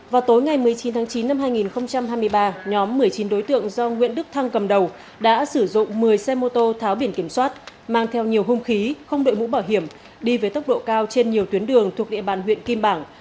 vào tối ngày một mươi chín tháng chín năm hai nghìn hai mươi ba nhóm một mươi chín đối tượng do nguyễn đức thăng cầm đầu đã sử dụng một mươi xe mô tô tháo biển kiểm soát mang theo nhiều hung khí không đội mũ bảo hiểm đi với tốc độ cao trên nhiều tuyến đường thuộc địa bàn huyện kim bảng